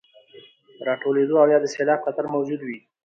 راټولېدو او يا د سيلاب خطر موجود وي،